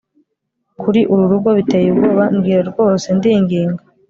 kuri uru rugo biteye ubwoba - mbwira rwose, ndinginga